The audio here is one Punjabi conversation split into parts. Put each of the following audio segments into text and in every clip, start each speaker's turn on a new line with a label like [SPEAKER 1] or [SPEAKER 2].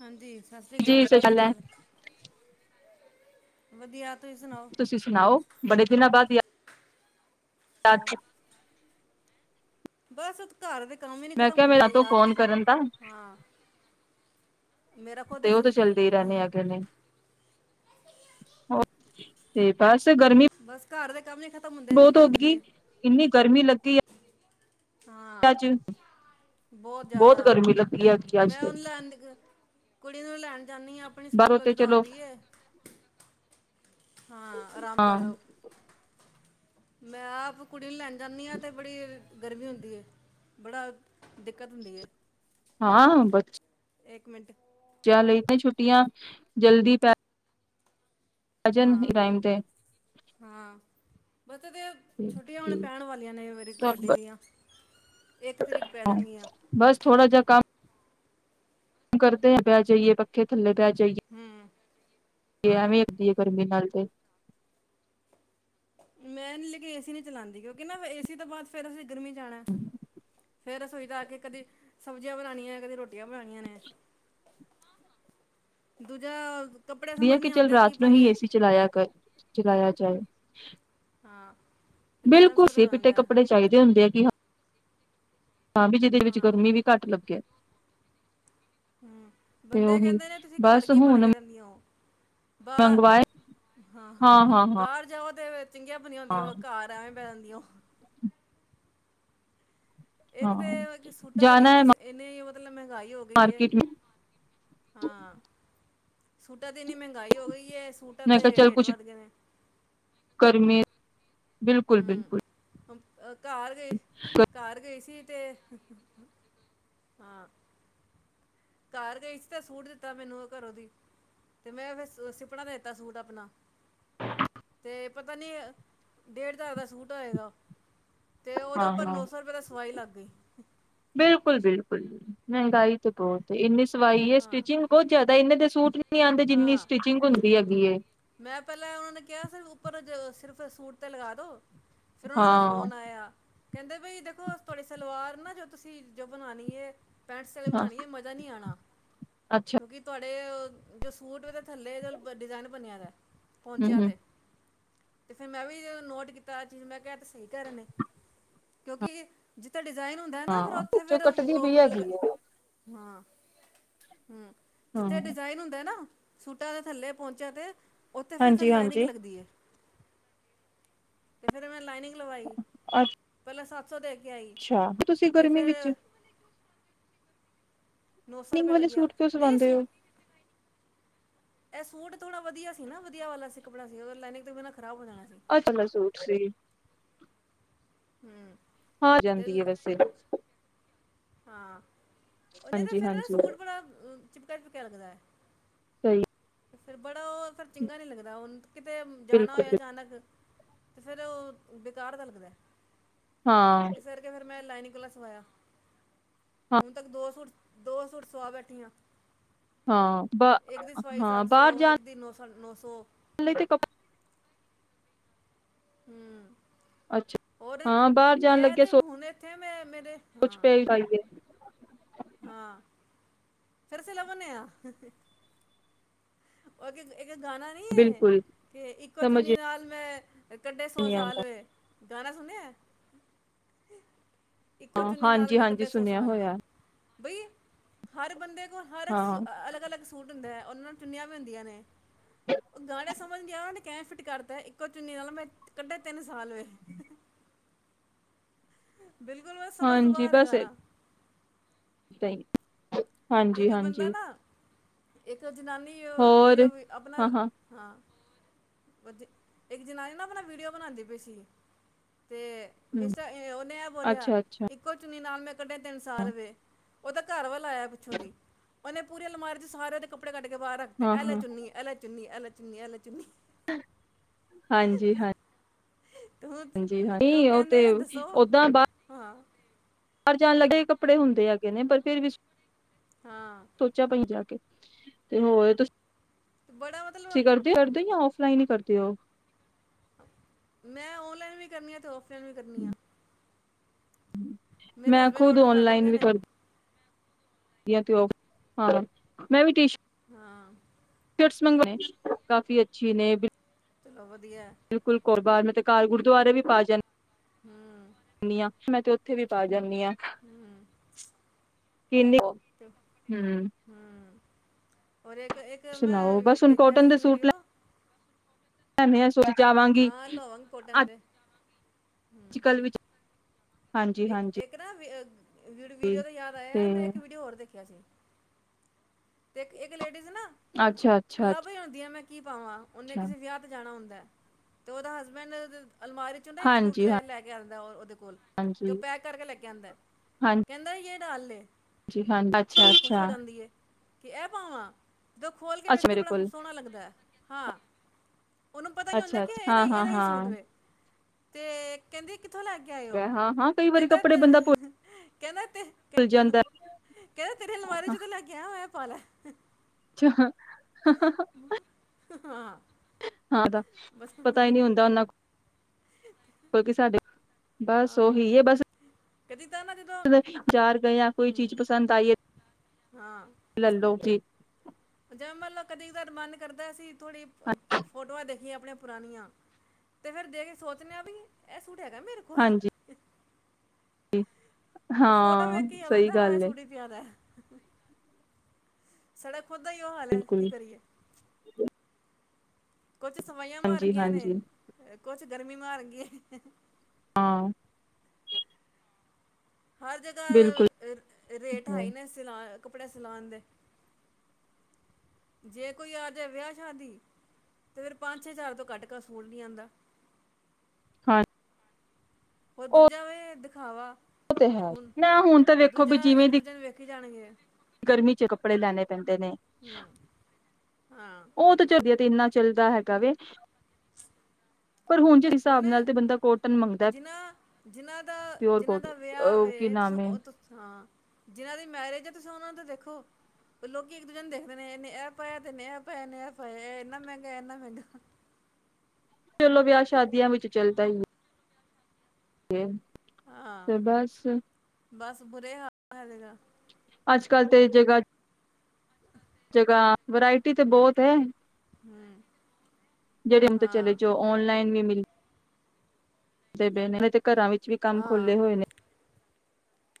[SPEAKER 1] ਹਾਂਜੀ ਸਤਿ ਸ੍ਰੀ
[SPEAKER 2] ਹਾਂਜੀ
[SPEAKER 1] ਅਕਾਲ,
[SPEAKER 2] ਸਤਿ ਸ਼੍ਰੀ
[SPEAKER 1] ਕੀ ਹਾਲ ਚਾਲ? ਵਧੀਆ ਤੁਸੀਂ ਸੁਣਾਓ
[SPEAKER 2] ਤੁਸੀਂ ਸੁਣਾਓ ਬੜੇ ਦਿਨਾਂ ਬਾਅਦ ਯ
[SPEAKER 1] ਹੋਰ
[SPEAKER 2] [unintelligible]
[SPEAKER 1] ਬਸ ਘਰ ਦੇ ਕੰਮ ਹੀ ਨਹੀਂ
[SPEAKER 2] ਮੈਂ
[SPEAKER 1] ਖ਼ਤਮ
[SPEAKER 2] ਕਿਹਾ
[SPEAKER 1] ਹੁੰਦੇ
[SPEAKER 2] ਮੇਰਾ ਤੂੰ
[SPEAKER 1] ਯਾਦ
[SPEAKER 2] ਫੋਨ ਕਰਨ ਦਾ
[SPEAKER 1] ਹਾਂ ਮੇਰਾ ਖੁਦ
[SPEAKER 2] ਤੇ ਉਹ ਤੇ
[SPEAKER 1] ਸੀ
[SPEAKER 2] ਚੱਲਦੇ ਈ ਰਹਿਨੇ ਅਐਗੇ ਨੇ ਹੋ ਤੇ ਬਸ ਤੇ ਗਰਮੀ
[SPEAKER 1] ਬਸ ਘਰ ਦੇ ਕੰਮ ਨੀ ਖ
[SPEAKER 2] ਬਹੁਤ ਹੋ ਗਈ ਇੰਨੀ ਗਰਮੀ ਲੱਗੀ
[SPEAKER 1] ਹਾਂ
[SPEAKER 2] ਅੱਜ
[SPEAKER 1] ਬਹੁਤ ਜ਼ਿਆਦਾ
[SPEAKER 2] ਗਰਮੀ ਲੱਗੀ ਹੈਗੀ ਅੱਜ
[SPEAKER 1] ਮੈਂ
[SPEAKER 2] ਤੇ
[SPEAKER 1] ਉਹਣੂੰ ਲੈਣ ਕੁੜੀ ਨੂੰ ਲੈਣ ਚਾਹਦੀ ਆ ਆਪਣੇ
[SPEAKER 2] ਬਾਹਰੋਂ
[SPEAKER 1] ਸਕੂਲੋਂ
[SPEAKER 2] ਤੇ
[SPEAKER 1] ਜਦੋਂ
[SPEAKER 2] ਚਲੋ
[SPEAKER 1] ਆਉਂਦੀ ਹੈ ਹਾਂ ਆਰਾਮ
[SPEAKER 2] ਹਾਂ
[SPEAKER 1] ਕਰ ਲਓ ਮੈਂ ਆਪ ਕੁੜੀ ਨੂੰ ਲੈਣ [unintelligible] ਗਰਮੀ ਹੁੰਦੀ ਏ ਬੜਾ ਦਿੱਕਤ ਹੁੰਦੀ ਏ
[SPEAKER 2] ਹਾਂ ਬਚ
[SPEAKER 1] ਇੱਕ ਮਿੰਟ
[SPEAKER 2] ਜਾ ਲਈਤੇ ਛੁੱਟੀਆਂ ਜਲਦੀ ਪੈ ਅਜਨ
[SPEAKER 1] ਹਾਂ
[SPEAKER 2] ਟਾਈਮ ਤੇ
[SPEAKER 1] ਹਾਂ [inaudible] ਛੁੱਟੀਆਂ ਹੋਣ ਪੈਣ ਵਾਲੀਆਂ ਨੇ ਮੇਰੇ ਵੱਡੇ ਦੀਆਂ ਇੱਕ ਤਰੀਕ ਪੈ ਜਾਣਗੀਆਂ
[SPEAKER 2] ਬਸ ਥੋੜਾ ਜਾ ਕੰਮ ਕਰਦੇਆ ਪੈਆ ਜਾਈਏ ਪੱਖੇ ਥੱਲੇ ਪੈ ਜਾ
[SPEAKER 1] ਹੂੰ
[SPEAKER 2] ਏ
[SPEAKER 1] ਹਾਂ
[SPEAKER 2] ਐਵੇਂ ਅਘ ਦਿਏ ਹੈ ਗਰਮੀ ਨਾਲ ਏ
[SPEAKER 1] ਮੈਂ ਨ ਲੇਕਿਨ ਏਸੀ ਨੀ ਚਲਾਂਦੀ ਕਿਓਂ ਕਿ ਨਾ ਏਸੀ ਤੋਂ ਬਾਦ ਫੇਰ ਅਸੀਂ ਗਰਮੀ ਚ ਆਣਾ ਏ, ਫੇਰ ਰਸੋਈ ਜਾ ਕੇ ਕਦੇ ਸਬਜੀਆਂ ਬਣਾਣੀਆਂ ਕਦੇ ਰੋਟੀਆਂ ਬਣਾਣੀਆਂ ਨੇ ਦੂਜਾ ਕੱਪੜੇ
[SPEAKER 2] ਦੀਆ
[SPEAKER 1] ਸਮਝ
[SPEAKER 2] ਕਿ
[SPEAKER 1] ਨਹੀਂ
[SPEAKER 2] ਚੱਲ
[SPEAKER 1] ਆਉਂਦੇ ਕੀ
[SPEAKER 2] ਰਾਤ ਨੂੰ ਹੀ
[SPEAKER 1] ਪਾਈਏ
[SPEAKER 2] ਏਸੀ ਚਲਾਇਆ ਕਰ ਚਲਾਇਆ ਜਾਏ
[SPEAKER 1] ਹਾਂ ਗਰਮ
[SPEAKER 2] ਬਿਲਕੁਲ
[SPEAKER 1] ਸਰਦ ਹੋ
[SPEAKER 2] ਸਿਪਿੱਟੇ
[SPEAKER 1] ਜਾਂਦਾ
[SPEAKER 2] ਕੱਪੜੇ ਚਾਹੀਦੇ ਹੁੰਦੇ ਆ ਕਿ ਹ ਹਾਂ ਵੀ ਜਿਹਦੇ ਵਿੱਚ ਗਰਮੀ ਵੀ ਘੱਟ ਲੱਗਿਆ
[SPEAKER 1] ਹਮ
[SPEAKER 2] ਤੇ
[SPEAKER 1] ਬੰਦੇ
[SPEAKER 2] ਉਹੀ
[SPEAKER 1] ਕਹਿੰਦੇ ਨੇ ਤੁਸੀਂ ਘਰ
[SPEAKER 2] ਬਸ
[SPEAKER 1] ਕੀ ਬਣ
[SPEAKER 2] ਹੁਣ
[SPEAKER 1] ਕੇ ਰਹਿੰਦੀਆਂ ਔ ਬਾਅਰ
[SPEAKER 2] ਮੰਗਵਾਏ
[SPEAKER 1] ਹਾਂਹਾਂ
[SPEAKER 2] ਹਾਂ ਹਾਂ ਹਾਂ
[SPEAKER 1] ਬਾਹਰ ਜਾਓ ਤੇ ਚੰਗੀਆਂ ਭਲੀਆਂ ਹੁੰਦੀਆਂ ਵਾ
[SPEAKER 2] ਹਾਂ
[SPEAKER 1] ਘਰ ਐਵੇਂ ਬੈ [unintelligible] ਇੱਕ ਤੇ
[SPEAKER 2] ਹਾਂ
[SPEAKER 1] ਵੇ ਸੂਟਾਂ ਦੀ
[SPEAKER 2] ਜਾਣਾ ਹੈ
[SPEAKER 1] ਇਨੀ ਇੰਨੀ ਮੰਗਾਈ ਹੋ ਗਈ ਏ।
[SPEAKER 2] ਮਾਰਕੀਟ ਮੈਂ
[SPEAKER 1] ਹਾਂ [unintelligible] ਇੰਨੀ ਮਹਿੰਗਾਈ ਹੋ ਗਈ ਏ ਸੂਟਾਂ ਦੇੇ ਰੇਟ ਵੱਧ ਗਏ ਨੇ
[SPEAKER 2] ਕਰ ਮੇ ਬਿਲਕੁਲ ਬਿਲਕੁਲ
[SPEAKER 1] ਹੂੰ ਘਰ ਗਏ ਘਰ ਗਏ ਸੀ ਤੇ ਹਾਂ ਘਰ ਗਈ ਸੀ ਤਾਂ ਸੂਟ ਦਿੱਤਾ ਮੈਨੂੰ ਘਰੋਂ ਦੀ ਤੇ ਮੈਂ ਫਿਰ ਸਿਪਣਾ ਦੇਤਾ ਸੂਟ ਆਪਣਾ ਤੇ ਪਤਾ ਨੀ ਡੇਢ ਜਾਰ ਦਾ ਸੂਟ ਹੋਏਗਾ ਤੇ ਉਹਦੇ
[SPEAKER 2] ਹਾਂ
[SPEAKER 1] ਉੱਪਰ
[SPEAKER 2] ਹਾਂ
[SPEAKER 1] ਨੌ ਸੌ ਰੁਪਏ ਦਾ ਸਵਾਈ ਲੱਗ ਗਈ
[SPEAKER 2] ਬਿਲਕੁਲ ਬਿਲਕੁਲ ਮਹਿੰਗਾਈ ਤੇ ਬਹੁਤ ਏ ਇੰਨੀ ਸਵਾਈ ਹੈ
[SPEAKER 1] ਹਾਂ
[SPEAKER 2] ਸਟਿਚਿੰਗ ਬਹੁਤ ਜ਼ਿਆਦਾ ਇਹਨੇ ਦੇ ਸੂਟ ਨ ਆਉਂਦੇ ਜਿੰਨੀ
[SPEAKER 1] ਹਾਂ
[SPEAKER 2] ਸਟਿਚਿੰਗ ਹੁੰਦੀ ਹੈਗੀ ਹੈ
[SPEAKER 1] ਮੈਂ ਪਹਿਲਾਂ ਉਹਨਾਂ ਨੇ ਕਿਹਾਿਰ ਉੱਪਰ ਸਿਰਫ ਸੂਟ ਤੇ ਲਗਾ ਦੋ ਫਿਰ ਉਹਨਾਂ ਦਾ
[SPEAKER 2] ਹਾਂ
[SPEAKER 1] ਫੋਨ ਆਇਆ ਕਹਿੰਦੇ ਬਈ ਦੇਖੋ ਤੁਹਾਡੀ ਸਲਵਾਰ ਨਾ ਜੋ ਤੁਸੀਂ ਜੋ ਬਣਾਉਣੀ ਹੈ ਪੈਂਟਸ ਵਾਲੇ
[SPEAKER 2] ਹਾਂ
[SPEAKER 1] ਬਣਾਉਣੀ ਇਹ ਮਜ਼ਾ ਨਹੀਂ ਆਉਣਾ
[SPEAKER 2] ਅੱਛਾ
[SPEAKER 1] ਕਿਉਂਕਿ ਤੁਹਾਡੇ ਏ ਜੋ ਸੂਟ ਦਾ ਥੱਲੇ ਡਿਜ਼ਾਇਨ ਬਨਿਆ ਦਾ ਹੈ
[SPEAKER 2] ਹਮ
[SPEAKER 1] ਪਹੁੰਚਿਆ
[SPEAKER 2] ਹਮ
[SPEAKER 1] ਤੇ ਤੇ ਫਿਰ ਮੈਂ ਵੀ ਨੋਟ ਕੀਤਾ ਆਹ ਚੀਜ਼ ਮੈਂ ਕਿਹਾ ਤੇ ਸਹੀ ਕਰਹਿ ਰਹੇ ਨੇ ਕਿਉਂਕਿ ਜੀਥੇ ਡੀਜ਼ਾ ਈਨ ਹੁੰਦਾ ਨਾ ਫਿਰ
[SPEAKER 2] ਹਾਂ
[SPEAKER 1] ਉੱਥੇ
[SPEAKER 2] ਵਿੱਚੋਂ
[SPEAKER 1] ਫੇਿਰ
[SPEAKER 2] ਕੱਟਦੀ ਵੀ
[SPEAKER 1] ਉਹ
[SPEAKER 2] ਹੈਗੀ
[SPEAKER 1] ਲਗਾਈ
[SPEAKER 2] ਹੈ
[SPEAKER 1] ਹਮ
[SPEAKER 2] ਹਾਂ
[SPEAKER 1] ਜਿੱਥੇ ਡਿਜਾਇਨ ਹੁੰਦਾ ਹੈ ਨਾ ਸੂਟਾਂ ਦੇ ਥੱਲੇ ਪਹੁੰਚ ਆਂ ਤੇ ਉੱਥੇ ਫਿਰ ਥੱਲੇ ਲਾਈਨਿਂਗ
[SPEAKER 2] ਹਾਂਜੀ-ਹਾਂਜੀ
[SPEAKER 1] ਲੱਗਦੀ ਹੈ ਤੇ ਫੇਰ ਮੈਂ ਲਾਈਨਿੰਗ ਲਵਾਈ ਪਹਿਲਾਂ ਸੱਤ ਸੌ ਦੇ ਕੇ ਆਈ
[SPEAKER 2] ਛਾ। ਤੁਸੀਂ
[SPEAKER 1] ਤੇ
[SPEAKER 2] ਗਰਮੀ ਵਿੱਚ
[SPEAKER 1] ਫਿਰ ਨੌ ਸੌ
[SPEAKER 2] ਨੀਂਗ
[SPEAKER 1] ਰੁਪਇਆ
[SPEAKER 2] ਵਾਲੇ
[SPEAKER 1] ਲੱਗਿਆ
[SPEAKER 2] ਸੂਟ ਕਿਉਂ
[SPEAKER 1] ਨਹੀਂ
[SPEAKER 2] ਸਵਾਉਂਦੇ
[SPEAKER 1] ਸੂ
[SPEAKER 2] ਹੋ
[SPEAKER 1] ਇਹ ਸੂਟ ਥੋੜਾ ਵਧੀਆ ਸੀ ਨਾ ਵਧੀਆ ਵਾਲਾ ਕੱਪੜਾ ਸੀ ਉਹ ਲਾਈਨਿੰਗ ਤੋਂ ਬਿਨਾਂ ਖਰਾਬ ਹੋ ਜਾਣਾ ਸੀ
[SPEAKER 2] ਅੱਜ ਮੈਂ ਸੂਟ ਸੀ
[SPEAKER 1] ਹੂ
[SPEAKER 2] ਆ ਜਾਂਦੀ ਐ ਵੈਸੇ
[SPEAKER 1] ਹਾਂ ਉਹਨੇ ਤਾਂ ਫਿਰ ਨਾ
[SPEAKER 2] ਹਾਂਜੀ-ਹਾਂਜੀ
[SPEAKER 1] ਸੂਟ ਬਣਾ [unintelligible] [unintelligible]
[SPEAKER 2] ਕੋਈ
[SPEAKER 1] ਫਿਰ ਬੜਾ ਉਹ ਫਿਰ ਚੰਗਾ ਨੀ ਲੱਗਦਾ [unintelligible] ਕਿਤੇ ਜਾਣਾ ਹੋਇਆ
[SPEAKER 2] ਬਿਲਕੁਲ
[SPEAKER 1] ਅਚਾਨਕ ਤੇ ਫਿਰ ਉਹ ਬੇਕਾਰ ਜਾ ਲੱਗਦਾ
[SPEAKER 2] ਹਾਂ
[SPEAKER 1] ਇਸ ਕਰਕੇ ਫਿਰ ਮੈਂ ਲਾਈਨਿੰਗ ਆਲਾ ਸਵਾਇਆ ਹੁਣ ਤੱਕ ਦੋ ਸੂਟ, ਦੋ ਸੂਟ ਸਵਾਅ ਬੈਠੀਆਂ।
[SPEAKER 2] ਹਾਂ ਬਾ, ਹਾਂ ਬਾਹਰ ਜਾਣ,
[SPEAKER 1] ਇੱਕ ਦੀ
[SPEAKER 2] ਲਈ ਤੇ ਕਪ
[SPEAKER 1] ਹੰਮ।
[SPEAKER 2] ਅੱਛਾ, ਹਾਂ ਬਾਰ ਜਾਣ ਲੱਗੈ ਸੋ
[SPEAKER 1] ਹੈ ਮੈਂ ਮੈਂ
[SPEAKER 2] ਕੁਛ ਪੇਈ ਪਾਈਏ
[SPEAKER 1] ਹਾਂ, ਫਿਰ ਸੇ ਲੈ [unintelligible] ਦਿਨੇ ਆ ਵਗਜ ਏ ਏ ਗਾਣਾ ਨਈਂ ਐ,
[SPEAKER 2] ਬਿਲਕੁਲ
[SPEAKER 1] ਕੇ ਇੱਕੋ
[SPEAKER 2] ਸਮਝ
[SPEAKER 1] ਚੁੰਨੀ ਨਾਲ ਮੈਂ ਵੇ ਕੱਢੇ ਸੌ
[SPEAKER 2] ਨਹੀਂ
[SPEAKER 1] ਸਾਲ
[SPEAKER 2] ਆਉਂਦਾ
[SPEAKER 1] ਵੇ ਗਾਣਾ ਸੁਣਿਐਂ ਇੱਕੋ
[SPEAKER 2] ਹਾਂ
[SPEAKER 1] ਚੁੰਨੀ ਨਾਲ ਮੈਂ
[SPEAKER 2] ਹਾਂਜੀ-ਹਾਂਜੀ
[SPEAKER 1] ਕੱਢੇ ਸੌ
[SPEAKER 2] ਸੁਣਿਆ
[SPEAKER 1] ਸਾਲ ਵੇ।
[SPEAKER 2] ਹੋਇਆ
[SPEAKER 1] ਬਈ, ਹਰ ਬੰਦੇ ਉਹ ਹਰਸ
[SPEAKER 2] ਹਾਂ
[SPEAKER 1] ਅਲਗ ਅਲਗ ਸੂਟ ਹੁੰਦੈ ਅਨਣ ਚੁੰਨੀਆਂ ਵੀ ਹੁੰਦੀਐਂ ਨੇ, ਓ ਗਾਣੇ ਸਮਝਗੇਆਂ ਓ ਨੇ ਕੈਂ ਫਿਟ ਕਰਤੈ ਇੱਕੋ ਚੁੰਨੀ ਨਾਲ ਮੈਂ ਕੱਡੇ ਤੇਂਨ ਸਾਲ ਵੇ ਬਿਲਕੁਲ ਸਮਝ ਤੋਂ ਬਾਰ ਐ ਗਾਣਾ।
[SPEAKER 2] [unintelligible] ਹਾਂਜੀ ਹਾਂਜੀ
[SPEAKER 1] ਏਕ ਜਨਾਨੀ [unintelligible] ਵੀਡੀਓ ਵੀ ਆਪਣਾ
[SPEAKER 2] ਹਾਂ-ਹਾਂ
[SPEAKER 1] ਹਾਂ। ਅੱਜ ਇੱਕ ਜਨਾਨੀ ਨਾ ਆਪਣਾ ਵੀਡੀਓ ਬਣਾਂਦੀ ਪਈ ਸੀ ਤੇ
[SPEAKER 2] ਹਮ
[SPEAKER 1] ਵਿੱਚ ਕੇ ਉਹਨੇ ਇਹ ਬੋਲਿਆ
[SPEAKER 2] ਅੱਛਾ-ਅੱਛਾ
[SPEAKER 1] ਇੱਕੋ ਚੁੰਨੀ ਨਾਲ ਮੈਂ ਕੱਢੇ ਤਿੰਨ ਸਾਲ ਵੇ, ਉਹਦਾ ਘਰਵਾਲਾ ਆਇਆ! ਪਿਛੋਂ ਦੀ ਉਹਨੇ ਪੂਰੀ ਲਮਾਰੀ ਚ ਸਾਰਿਆਂ ਕੱਪੜੇ ਕੱਢ ਕੇ! ਬਾਹਰ ਰੱਖਦੇ ਐਲੈ
[SPEAKER 2] ਹਾਂ-ਹਾਂ
[SPEAKER 1] ਚੁੰਨੀ ਐਲੈ ਚੁੰਨੀ ਐਲੈ ਚੁੰਨੀ ਐਲੈ ਚੁੰਨੀ
[SPEAKER 2] ਹਾਂਜੀ। ਹਾਂ
[SPEAKER 1] ਤੂੰ
[SPEAKER 2] ਹਾਂਜੀ, ਹਾਂ ਨਹੀਂ ਉਹ ਤੇ ਓਦਾਂ ਬਾਹਰ
[SPEAKER 1] ਹਾਂ
[SPEAKER 2] ਬਾਹਰ ਜਾਣ ਲੱਗੇ ਈ ਕੱਪੜੇ ਹੁੰਦੇ, ਹੈਗੇ ਨੇ ਪਰ ਫਿਰ ਵੀ।
[SPEAKER 1] ਹਾਂ
[SPEAKER 2] [unintelligible] ਭਾਈ ਜਾ ਕੇ, ਤੇ ਹੋਰ [unintelligible]
[SPEAKER 1] ਤੇ ਬੜਾ ਮਤਲਬ
[SPEAKER 2] ਤੁਸੀਂ ਕਰਦੇ ਕਰਦੇ ਜਾਂ ਉਫ ਸਲਾਈ ਨਹੀਂ ਕਰਦੇ ਹੋ?
[SPEAKER 1] ਮੈਂ ਓਨਲਾਈਨ ਵੀ ਕਰਨੀ ਆ ਤੇ ਉਫ
[SPEAKER 2] ਹਮ
[SPEAKER 1] ਮੇਰੇ
[SPEAKER 2] ਮੈਂ
[SPEAKER 1] ਹਸਬੰਡ
[SPEAKER 2] ਖੁਦ
[SPEAKER 1] ਆਰਡਰ ਕਰ
[SPEAKER 2] ਓਨਲਾਈਨ
[SPEAKER 1] ਦਿੰਦੇ
[SPEAKER 2] ਵੀ
[SPEAKER 1] ਨੇ
[SPEAKER 2] ਕਰਦੀ ਹਾਂ। ਤੇ ਉਹ ਹਾਂ ਮੈਂ ਵੀ ਟੀ ਸ਼ਰਟ
[SPEAKER 1] ਹਾਂ
[SPEAKER 2] ਟੀ ਸ਼ਰਟ ਮੰਗ ਨੇ ਕਾਫੀ ਅੱਛੀ ਨੇ ਬਿਲਕੁਲ
[SPEAKER 1] ਚਲੋ ਵਦ
[SPEAKER 2] ਬਿਲਕੁਲ ਘਰ ਬਾਰ ਮੈਂ ਤੇ ਘਰ ਗੁਰਦੁਆਰੇ ਵੀ ਪਾ ਜਾਨ
[SPEAKER 1] ਹੂੰ
[SPEAKER 2] ਜਾਨੀ ਆ ਮੈਂ ਤੇ ਉੱਥੇ ਵੀ ਪਾ ਜਾਂਦੀ ਆਂ
[SPEAKER 1] ਹੂੰ
[SPEAKER 2] ਕਿੰਨੀ ਕੁ
[SPEAKER 1] ਤੇ
[SPEAKER 2] ਹਮ
[SPEAKER 1] ਹੂੰ ਔਰ ਇੱਕ, ਇੱਕ
[SPEAKER 2] ਸੁਣਾਓ
[SPEAKER 1] ਮੈਂ
[SPEAKER 2] ਬਸ ਹੁਣ
[SPEAKER 1] ਦੇਖਿਆ ਸੀ। ਵੀਡੀਓ
[SPEAKER 2] ਲੇਨੇਆ ਸਵਾ ਜਾਵਾਂਗੀ
[SPEAKER 1] ਹਾਂ ਲੋਵੰਗ ਕੋਟਨ
[SPEAKER 2] ਅੱਜ
[SPEAKER 1] ਦੇ
[SPEAKER 2] ਅੱਜ ਕੱਲ ਵਿਚ।
[SPEAKER 1] ਇੱਕ, ਇੱਕ ਨਾ ਵੀਅ ਵੀ ਵੀਡੀਓ ਤੋ ਯਾਦ ਆਇਆ ਏ।
[SPEAKER 2] ਤੇ
[SPEAKER 1] ਮੈਂ ਇੱਕ ਵੀਡੀਓ ਹੋਰ ਦੇਖਿਆ ਸੀ। ਤੇ ਇੱਕ, ਇੱਕ ਲੇਡੀਜ਼ ਨਾ
[SPEAKER 2] ਅੱਛਾ-ਅੱਛਾ-ਅਛ
[SPEAKER 1] ਭਾਂ, ਓਹਨੇ ਕਿਸੇ ਵਿਆਹ ਤੇ ਜਾਣਾ ਹੁੰਦੈ। ਤੇ ਓਹਦਾ ਹਸਬੈਂਡ ਅਲਮਾਰੀ ਚੋ ਨਾ ਇੱਕ ਸੂਟ
[SPEAKER 2] ਹਾਂਜੀ,
[SPEAKER 1] ਲੈ-ਲੈ ਕੇ ਆ। ਨਾਲ ਉਹ ਦੇ
[SPEAKER 2] ਹਾਂਜੀ
[SPEAKER 1] ਤੇ ਓ ਪੈਕ ਕਰਕੇ ਲੈ ਕੇ ਆਂਦੈ, ਕਹਿੰਦਾ ਯੇ ਡਾਲ ਲੇ।
[SPEAKER 2] ਜੀ ਹਾਂਜੀ। ਅੱਛਾ-ਅੱਛਾ।
[SPEAKER 1] ਕੀ ਇਹ ਪਾਵਾਂ। ਜਦੋਂ ਖੋਲ ਕੇ ਵੇਖਦੀ, ਬੜਾ
[SPEAKER 2] ਕੋਲ
[SPEAKER 1] ਸੋਣਾ ਲੱਗਦੈ। ਹਾਂ। ਉਹਨੂੰ ਪਤਾ ਨਹੀਂ ਹੁੰਦਾ ਕਿ
[SPEAKER 2] ਅੱਛਾ-ਅੱਛਾ।
[SPEAKER 1] ਇਹਦਾ ਇਹਦਾ ਹੀ ਸੂਟ
[SPEAKER 2] ਹਾਂ-ਹਾਂ-ਹਾਂ।
[SPEAKER 1] ਵੇ ਤੇ ਕੇੰਦੀ ਕਿੱਥੋਂ ਲੈ ਕੇ ਆਏ ਔ?
[SPEAKER 2] ਹਾਂ, ਹਾਂ ਕਈ ਵਾਰੀ
[SPEAKER 1] ਕਹਿੰਦਾ
[SPEAKER 2] ਕੱਪੜੇ
[SPEAKER 1] ਤੇ,
[SPEAKER 2] ਬੰਦਾ
[SPEAKER 1] ਕਹਿੰਦਾ ਤੇ,
[SPEAKER 2] ਭੁੱਲ ਜਾਂਦਾ।
[SPEAKER 1] ਕਹਿੰਦਾ ਤੇਰੀ ਅਲਮਾਰੀ ਚੋਂ ਤਾਂ ਲੈ ਕੇ ਆਇਆ। ਇਹ ਪਾਲਾ।
[SPEAKER 2] ਹਾਹਾਹਾ
[SPEAKER 1] ਹਾਂ
[SPEAKER 2] ਹਾਂ ਤਾਂ,
[SPEAKER 1] ਬਸ
[SPEAKER 2] ਪਤਾ ਈ ਨਹੀਂ ਹੁੰਦਾ ਐਨਾ ਕ ਕਿਉਂਕੀ ਸਾਡੇ ਬਸ,
[SPEAKER 1] ਹਾਂ
[SPEAKER 2] ਉਹੀ ਹੈ ਬਸ।
[SPEAKER 1] ਕਦੀ ਤਾਂ ਨਾ ਜਦੋਂ
[SPEAKER 2] ਬਜ਼ਾਰ ਗਏ ਆ, ਕੋਈ
[SPEAKER 1] ਹੂੰ
[SPEAKER 2] ਚੀਜ਼ ਪਸੰਦ ਆਈ ਏ। ਲੈ ਲੋ ਜੀ
[SPEAKER 1] ਜਾ ਮੰਨ ਲਉ, ਕਦੀ ਕਦਾਰ ਮਨ ਕਰਦਾ ਸੀ ਥੋੜੀ ਫੋ-ਫੋਟੋਆਂ ਦੇਖੀਆਂ। ਆਪਣੀਆਂ ਪੁਰਾਣੀਆਂ, ਤੇ ਫੇਰ ਦੇ ਕੇ ਸੋਚਨੇ ਆ ਵੀ, ਇਹ ਸੂਟ ਹੈਗਾ ਮੇਰੇ ਕੋਲ
[SPEAKER 2] ਹਾਂਜੀ [unintelligible]
[SPEAKER 1] ਉਹ ਫੋਟੋ
[SPEAKER 2] ਹਾਂ
[SPEAKER 1] ਵੇਖ ਹੀ ਯਾਦ
[SPEAKER 2] ਸਹੀ
[SPEAKER 1] ਆਂਦਾ। ਹਾਂ, ਇਹ
[SPEAKER 2] ਗੱਲ ਹੈ
[SPEAKER 1] ਸੂਟ ਵੀ [unintelligible] ਸੜਕ ਖੁਦ ਦਾ ਹੀ ਉਹ ਹਾਲ ਹੈ।
[SPEAKER 2] ਬਿਲਕੁਲ
[SPEAKER 1] ਕੀ ਕਰੀਏ? ਕੁਛ ਸਵਾਈਆਂ ਮਾਰ
[SPEAKER 2] ਹਾਂਜੀ,
[SPEAKER 1] ਗੀਆਂ ਨੇ,
[SPEAKER 2] ਹਾਂਜੀ
[SPEAKER 1] ਕੁਛ ਗਰਮੀ ਮਾਰ ਗੀ।
[SPEAKER 2] ਹਾਂ।
[SPEAKER 1] ਹਰ
[SPEAKER 2] ਬਿਲਕੁਲ
[SPEAKER 1] ਜਗ੍ਹਾ ਰੇਟ ਹਾਈ ਨਿ ਸਿਲਾ। ਕੱਪੜੇ ਸਿਲਾਣ ਦੇ, ਜੇ ਕੋਈ ਆ ਜੈ ਵਿਆਹ ਸ਼ਾਦੀ ਤੇ ਫੇਰ ਪੰਜ ਛ ਹਜ਼ਾਰ ਤੋਂ ਘੱਟ ਕ ਸੂਟ ਨੀ ਆਂਦਾ।
[SPEAKER 2] ਹਾਂ।
[SPEAKER 1] ਹੋਰ ਦੂਜਾ ਵੇ ਦਿਖਾਵਾ।
[SPEAKER 2] ਉਹ ਤੇ ਹੈ,
[SPEAKER 1] ਹੁਣ
[SPEAKER 2] ਨਾਂ ਹੁਣ ਤੇ ਵੇਖੋ ਬ
[SPEAKER 1] ਦੂਜਾ
[SPEAKER 2] ਜਿਵੇਂ
[SPEAKER 1] ਇੱਕ
[SPEAKER 2] ਦੀ।
[SPEAKER 1] ਦੂਜੇ ਨੂੰ ਵੇਖੀ ਜਾਣਗੇ
[SPEAKER 2] ਗਰਮੀ ਚ ਕੱਪੜੇ ਲੈਨੇ ਪੈਂਦੇ ਨੇ,
[SPEAKER 1] ਹੂੰ ਹਾਂ
[SPEAKER 2] ਓਹ ਤਾਂ ਚ। ਭਿੰਨਾ ਚੱਲਦਾ ਹੈਗਾ ਵੇ ਪਰ ਜਿਸ
[SPEAKER 1] ਹੁਣ
[SPEAKER 2] ਹਿਸਾਬ ਨਾਲ ਤੇ ਬੰਦਾ ਕੋਟਨ ਮੰਗਦਾ
[SPEAKER 1] ਜਿੰਨਾਂ ਜਿੰਨਾਂ ਦਾ
[SPEAKER 2] ਪਿਓਰ
[SPEAKER 1] ਜਿਹਨਾਂ
[SPEAKER 2] ਕੋਟਨ
[SPEAKER 1] ਦਾ ਵਿਆਹ
[SPEAKER 2] ਅ
[SPEAKER 1] ਵੇ
[SPEAKER 2] ਕੀ
[SPEAKER 1] ਸੁ
[SPEAKER 2] ਨਾਮ ਏ
[SPEAKER 1] ਓਹ ਤ ਹਾਂ ਜਿੰਨਾਂ ਦੀ ਮੈਰਿਜੈ ਤੁਸੀਂ ਓਹਨਾਨੁ ਤਾਂ ਦੇਖੋ, ਲੋਕੀ ਇੱਕ ਦੂਜੇ ਨੂੰ ਦੇਖਦੇ ਨੇ ਇਹਨੇ ਐ ਪਾਇਆ ਤੇ ਇਹਨੇ ਐ ਪਾਇਆ ਏ ਇੰਨਾ ਮੈੰਗਾ ਇੰਨਾ ਮੈੰਗਾ।
[SPEAKER 2] ਚਲੋ ਵਿਆਹ ਸ਼ਾਦੀਆਂ ਵਿੱਚ ਚੱਲਦਾਈ ਏ। ਫੇਰ ਤੇ
[SPEAKER 1] ਹਾਂ
[SPEAKER 2] ਬਸ
[SPEAKER 1] ਬਸ ਬੁਰੇ ਹਾਲ ਹੈਗਾ।
[SPEAKER 2] ਅੱਜ ਕੱਲ ਤੇ ਜਗ੍ਹਾ। ਜਗ੍ਹਾ ਵਰਾਏਟੀ ਤੇ ਬੋਹਤ ਹੈ।
[SPEAKER 1] ਹੂੰ
[SPEAKER 2] ਜਿਹੜੇ ਹੁਣ ਤਾਂ ਚਲੇ
[SPEAKER 1] ਹਾਂ
[SPEAKER 2] ਜੋ ਓਨਲਾਈਨ ਵੀ ਮਿਲ ਤੇ ਬਿਨੇ ਤੇ ਘਰਾਂ ਵਿੱਚ। ਵਿੱਚ ਵੀ ਕੰਮ
[SPEAKER 1] ਹਾਂ
[SPEAKER 2] ਖੋਲ੍ਹੇ ਹੋਏ ਨੇ।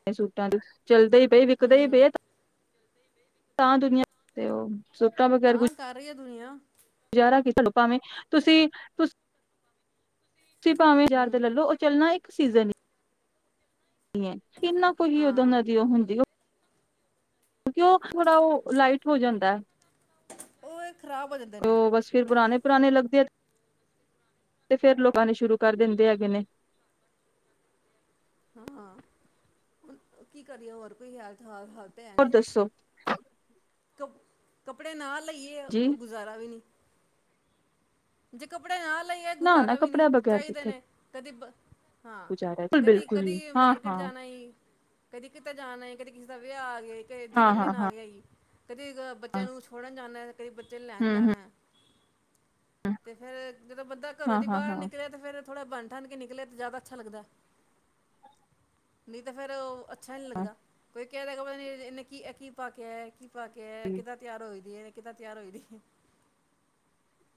[SPEAKER 2] ਮੈਂ ਸੂਟਾਂ ਦੀ। ਚੱਲਦੇ ਹੀ ਪਏ ਵਿਕਦੇ ਹੀ
[SPEAKER 1] ਹੂੰ
[SPEAKER 2] ਪਏ ਤਾਂ ਦੁਨੀਆਂ ਤੇ ਉਹ। ਸੂਟਾ ਵਗੈਰ
[SPEAKER 1] ਹਾਂ
[SPEAKER 2] ਕੁਝ।
[SPEAKER 1] [unintelligible]
[SPEAKER 2] ਗੁਜ਼ਾਰਾ ਕੀ ਤਹਾਨੂੰ ਭਾਵੇਂ ਤੁਸੀਂ ਕੁਸ। ਤੁਸੀਂ ਭਾਵੇਂ ਹਜ਼ਾਰ ਦਾ
[SPEAKER 1] ਹੂੰ
[SPEAKER 2] ਲੈਲੋ ਉਹ ਚੱਲਣਾ [unintelligible] ਸੀਜ਼ਨ। ਹੀ ਹੈ ਕਿੰਨਾ ਕੁਝ ਹੀ ਐਦਾਂ
[SPEAKER 1] ਹਾਂ
[SPEAKER 2] ਦਾ [unintelligible] ਉਹ ਹੁੰਦੀ ਉਹ। ਕਿਉਂ ਉਹ ਥੋੜਾ ਉਹ ਲਾਈਟ ਹੋ ਜਾਂਦਾ ਹੈ।
[SPEAKER 1] ਉਹ ਇਹ ਖ਼ਰਾਬ ਹੋ ਜਾਂਦੇ ਨੇ
[SPEAKER 2] ਉਹ ਬਸ ਫੇਰ ਪੁਰਾਣੇ ਪੁਰਾਣੇ ਲੱਗਦੇ ਆ। ਤੇ ਫਿਰ ਲੋਕਾਂ ਨੇ ਸ਼ੁਰੂ ਕਰ ਦਿੰਦੇ ਹੈਗੇ ਨੇ।
[SPEAKER 1] ਹਾਂ, ਕੀ ਕਰੀਏ ਹੋਰ ਕੋਈ ਹੈ [unintelligible]
[SPEAKER 2] ਹੋਰ ਦੱਸੋ।
[SPEAKER 1] ਕਪ ਕੱਪੜੇ ਨਾਲ ਲਈਏ
[SPEAKER 2] ਜੀ
[SPEAKER 1] ਗੁਜ਼ਾਰਾ ਵੀ ਨੀ। ਜੇ ਕੱਪੜ ਆ ਲਈ ਏ,
[SPEAKER 2] ਨਾ
[SPEAKER 1] ਗੁਜ਼ਾਰਾ
[SPEAKER 2] ਨਾ
[SPEAKER 1] ਵੀ ਨੀ
[SPEAKER 2] ਕੱਪੜਿਆਂ ਬਗੈਰ
[SPEAKER 1] ਚਾਹੀਦੇ
[SPEAKER 2] ਕਿੱਥੇ
[SPEAKER 1] ਨੇ ਕਦੀ ਹਾਂ
[SPEAKER 2] ਗੁਜ਼ਾਰਾ ਬਿਲਕੁਲ ਜੀ
[SPEAKER 1] ਕਦੀ-ਕਦੀ
[SPEAKER 2] ਹਾਂ
[SPEAKER 1] ਮਾਰਕੇਟ
[SPEAKER 2] ਹਾਂ
[SPEAKER 1] ਜਾਣਾ ਈ ਕਦੀ ਕਿਤੇ ਜਾਣਾ ਏ ਕਦੀ ਕਿਸੇ ਦਾ ਵਿਹਾਅ ਆਗਿਆ ਏ ਕਾ ਇਕ
[SPEAKER 2] ਹਾਂ ਹਾਂ
[SPEAKER 1] ਜਨਮਦਿਨ
[SPEAKER 2] ਹਾਂ
[SPEAKER 1] ਆਗਿਆਈ। ਕਦੇ ਬੱਚਿਆਂ ਨੂੰ ਛੋੜਨ ਜਾਂਨਾੱਏ ਕਦੇ ਬੱਚੇ ਲੈਣ
[SPEAKER 2] ਹਮ ਹਮ
[SPEAKER 1] ਜਾਣਾ ਏ ਤੇ ਫੇਰ ਜਦੋਂ ਬੰਦਾ ਘਰੋਂ
[SPEAKER 2] ਹਾਂ
[SPEAKER 1] ਦੀ
[SPEAKER 2] ਹਾਂ
[SPEAKER 1] ਬਾਰ
[SPEAKER 2] ਹਾਂ
[SPEAKER 1] ਨਿਕਲੈ ਤੇ ਫੇਰ ਥੋੜਾ ਬੰਣ ਠੰਨ ਕੇ ਨਿਕਲੇ ਤੇ ਜਿਆਦਾ ਅੱਛਾ ਲੱਗਦਾਏ ਨੀ ਤੇ ਫੇਰ ਓ ਅੱਛਾ ਨੀ
[SPEAKER 2] ਹਾਂ
[SPEAKER 1] ਲੱਗਦਾ ਕੋਏ ਕਿ ਦੇਖੋ ਇਹਨੇ ਕੀ ਏ ਕੀ ਪਾਕੇ ਆਯਾ ਏ ਕੀ [unintelligible] ਪਾ ਕੇ ਆਯਾ ਕਿੱਦਾਂ ਤਿਆਰ ਹੋਈ ਦੀ ਏ ਕਿਦਾ ਤਿਆਰ ਹੋਈ ਦੀ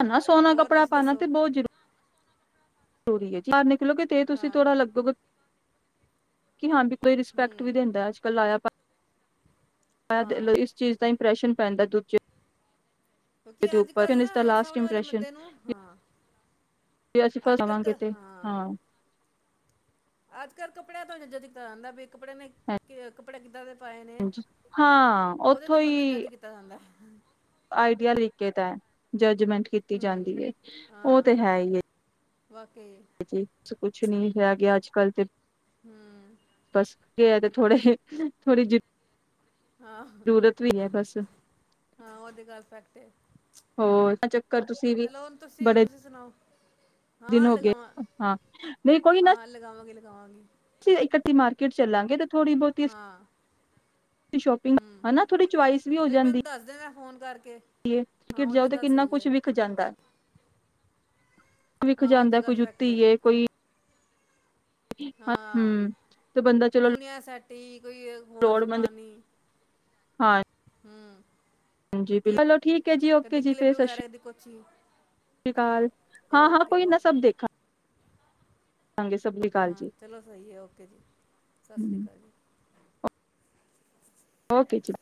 [SPEAKER 2] ਹਨ ਨਾ ਸੋਹਨਾ
[SPEAKER 1] ਹੋਰ
[SPEAKER 2] ਕੱਪੜਾ
[SPEAKER 1] ਤੁਸੀਂ
[SPEAKER 2] ਪਾਣਾ ਤੇ
[SPEAKER 1] ਦੱਸੋ
[SPEAKER 2] ਬਹੁਤ ਜਰੂਰੀ ਜਰੁਰੀ ਹੈ ਜੀ ਦੇਖਲੋ ਕਿਤੇ ਤੁਸੀਂ
[SPEAKER 1] ਹਾਂ
[SPEAKER 2] ਥੋੜਾ ਲੱਗੋਗੇ ਕਿ ਹਾਂ ਬੀ ਕੋਈ ਰਿਸਪੈਕਟ ਵੀ
[SPEAKER 1] ਹੂੰ
[SPEAKER 2] ਦਿੰਦਾ ਅੱਜ-ਕੱਲ ਲਾਇਆ ਪਾਇਆ ਦੇਖ ਲੋ
[SPEAKER 1] ਹਾਂ
[SPEAKER 2] ਇਸ ਚੀਜ਼ ਦਾ ਈਂਪਰੈਸ਼ਨ ਪੈਂਦਾ ਦੂਜੇ ਈਦੇ
[SPEAKER 1] ਕਿਉਂਕਿ ਅੱਜ
[SPEAKER 2] ਉਪਰ
[SPEAKER 1] ਕੱਲ੍ਹ
[SPEAKER 2] ਫਿਨ ਏਦਾ
[SPEAKER 1] ਨਾ
[SPEAKER 2] ਲਾਸਟ
[SPEAKER 1] ਸਾਹਮਣੇ ਵਾਲੇ
[SPEAKER 2] ਇਪ੍ਰੈਸ਼ਨ
[SPEAKER 1] ਬੰਦੇ ਨੂੰ ਹਾਂ
[SPEAKER 2] ਜੇ ਅਸੀ ਫਸਟ
[SPEAKER 1] ਅੱਜ ਕੱਲ੍ਹ ਕ
[SPEAKER 2] ਆਵਾਂਗੇ ਤੇ ਹਾਂ
[SPEAKER 1] ਅੱਜ ਕੱਲ ਕੱਪੜਿਆਂ ਤੋਂ ਨ ਜਦ ਤਾਂ ਆਂਦਾ ਕੱਪੜੇ ਨੇ ਕੱਪੜੇ ਕਿੱਦਾਂ ਦੇ ਪਾਏ ਨੇ
[SPEAKER 2] ਹਾਂਜੀ ਹਾਂ
[SPEAKER 1] ਉਹਦੇ
[SPEAKER 2] ਉੱਥੋਂ
[SPEAKER 1] ਤੇ ਬੰਧਦੇ
[SPEAKER 2] ਹੀ
[SPEAKER 1] ਜੱਜ ਕੀਤਾ ਜਾਂਦਾ।
[SPEAKER 2] ਆਈਡੀਆ ਲਿਗਦਾ ਜ ਕਮੈਂਟ ਕੀਤੀ
[SPEAKER 1] ਹੂੰ
[SPEAKER 2] ਜਾਂਦੀ ਹੈ ਉਹ
[SPEAKER 1] ਹਾਂ
[SPEAKER 2] ਤੇ ਹੈ ਹੀ
[SPEAKER 1] ਵਾਕਈ
[SPEAKER 2] ਹੈ ਕੁਛ ਨੀ ਕਿਹਾ ਗਿਆ ਅੱਜ ਗੱਲ ਤੇ
[SPEAKER 1] ਹੂੰ
[SPEAKER 2] ਬਸ ਤੇ ਥੋੜੇ ਥੋੜੀ ਜ
[SPEAKER 1] ਹਾਂ
[SPEAKER 2] ਜ਼ਰੂਰਤ ਵੀ ਹੈ ਬਸ
[SPEAKER 1] ਤੇ
[SPEAKER 2] ਹੋਰ ਚੱਕਰ ਤੁਸੀਂ ਵੀ
[SPEAKER 1] ਹੁਣ ਤੁਸੀਂ
[SPEAKER 2] ਬੜੇ
[SPEAKER 1] ਤੁਸੀਂ ਸੁਣਾਓ
[SPEAKER 2] ਦਿਨ
[SPEAKER 1] ਹਾਂ
[SPEAKER 2] ਹੋ ਗਏ
[SPEAKER 1] ਲਗਾਵਾਂ
[SPEAKER 2] ਹਾਂ ਨਹੀਂ ਕੋਈ
[SPEAKER 1] ਹਾਂ
[SPEAKER 2] ਨਾ
[SPEAKER 1] ਹਾਂ ਲਗਾਵਾਂਗੀ ਲਗਾਵਾਂਗੀ
[SPEAKER 2] ਇਕੱਠਟੀ ਮਾਰ ਕਿਡ ਚੱਲਾਂਗੇ ਤੇ ਥੋੜੀ ਬੋਹਤੀ
[SPEAKER 1] ਹਾਂ
[SPEAKER 2] ਸ਼ੋਪਿੰਗ,
[SPEAKER 1] ਹੂੰ
[SPEAKER 2] ਹਨਾ ਥੋੜੀ ਚੌਇਸ ਵੀ ਹੋ
[SPEAKER 1] ਤੁਸੀਂ
[SPEAKER 2] ਜਾਂਦੀ।
[SPEAKER 1] ਮੈਨੂੰ ਦੱਸ ਦੇਣਾ ਫੋਨ ਕਰਕੇ ਹਾਂ
[SPEAKER 2] ਕਿਟ
[SPEAKER 1] ਉਹ
[SPEAKER 2] ਜਾਓ
[SPEAKER 1] ਤਾਂ
[SPEAKER 2] ਤੇ
[SPEAKER 1] ਗੱਲ
[SPEAKER 2] ਕਿੰਨਾ
[SPEAKER 1] ਸਹੀ
[SPEAKER 2] ਕੁਝ
[SPEAKER 1] ਹੈ
[SPEAKER 2] ਵਿਖ ਜਾਂਦਾ ਏ। ਵੀਖ
[SPEAKER 1] ਹਾਂ ਉਹ
[SPEAKER 2] ਜਾਂਦਾ
[SPEAKER 1] ਤਾਂ
[SPEAKER 2] ਏ
[SPEAKER 1] ਗੱਲ
[SPEAKER 2] ਕੋਈ
[SPEAKER 1] ਫੈਕਟ
[SPEAKER 2] ਜੁੱਤੀ
[SPEAKER 1] ਹੈ
[SPEAKER 2] ਏ ਕੋਈ
[SPEAKER 1] ਹਾਂ,
[SPEAKER 2] ਹੂੰ ਤੇ ਬੰਦਾ ਚਲੋ
[SPEAKER 1] ਚੂਣਿਆ ਸੈੱਟ ਹੀ ਕੋਈ ਹੋਰ ਸਮਾਨ ਨਿ
[SPEAKER 2] ਹਾਂ
[SPEAKER 1] ਕਲਿੱਪ
[SPEAKER 2] ਚਲੋ ਠੀਕ ਹੈ ਜੀ ਓਕੇ
[SPEAKER 1] ਕਦੀ
[SPEAKER 2] ਜੀ
[SPEAKER 1] ਕਲਿੱਪ
[SPEAKER 2] ਫੇਰ ਸਤਿ ਸ਼੍ਰੀ
[SPEAKER 1] [unintelligible] ਚਲੋ
[SPEAKER 2] -ਕਾਲ ਹਾਂ ਹਾਂ
[SPEAKER 1] ਓਕੇ
[SPEAKER 2] ਕੋਈ ਨਾ
[SPEAKER 1] ਓਕੇ
[SPEAKER 2] ਸਭ ਦੇਖਾ
[SPEAKER 1] ਹਾਂ ਚਲੋ ਸਹੀ ਹੈ ਓਕੇ ਜੀ ਸਤਿ ਸ੍ਰੀ ਕਾਲ ਜੀ।
[SPEAKER 2] ਓਕੇ ਜੀ।